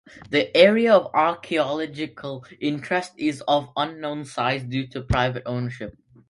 The area of archeological interest is of unknown size due to private ownership.